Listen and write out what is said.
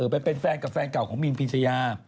ไปเป็นแฟนเก่าของมีนพืชยาย่า